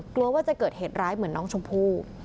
กลัวว่าจะเกิดเหตุร้ายเหมือนน้องชมพู่